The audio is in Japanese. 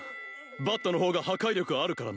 バットの方が破壊力あるからな。